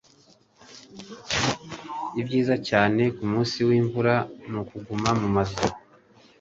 Ibyiza cyane kumunsi wimvura nukuguma mumazu.